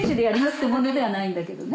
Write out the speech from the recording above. って問題ではないんだけどね。